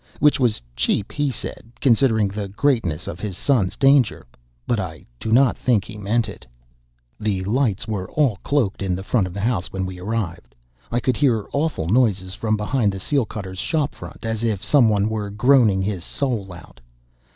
Which was cheap, he said, considering the greatness of his son's danger; but I do not think he meant it. The lights were all cloaked in the front of the house when we arrived. I could hear awful noises from behind the seal cutter's shop front, as if some one were groaning his soul out.